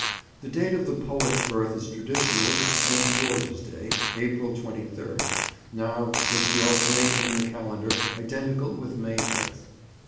The date of the poet's birth is traditionally St. George's Day, April 23rd; now, with the alteration in the calendar, identical with May 5th.